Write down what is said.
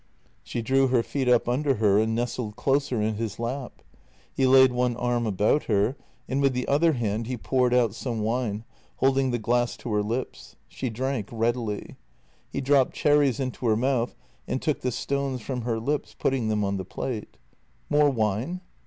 She drew her feet up under her and nestled closer in his lap. He laid one arm about her, and with the other hand he poured out some wine, holding the glass to her lips. She drank readily. He dropped cherries into her mouth and took the stones from her lips, putting them on the plate. "More wine?"